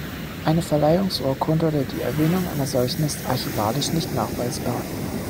Eine Verleihungsurkunde oder die Erwähnung einer solchen ist archivalisch nicht nachweisbar.